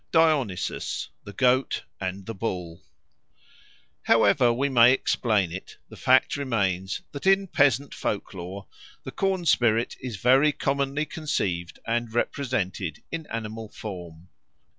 Dionysus, the Goat and the Bull HOWEVER we may explain it, the fact remains that in peasant folk lore the corn spirit is very commonly conceived and represented in animal form.